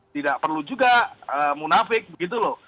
tidak perlu juga munafik begitu loh